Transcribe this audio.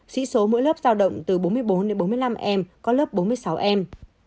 sĩ số mỗi lớp giao động từ bốn mươi bốn đến bốn mươi năm em có lớp bốn mươi sáu em